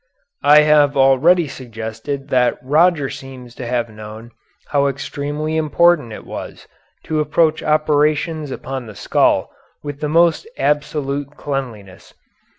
I have already suggested that Roger seems to have known how extremely important it was to approach operations upon the skull with the most absolute cleanliness.